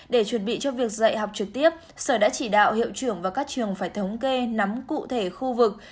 được dạy học trực tiếp sở đã chỉ đạo hiệu trưởng và các trường phải thống kê nắm cụ thể khu vực